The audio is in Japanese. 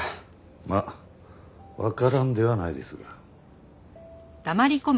まあわからんではないですが。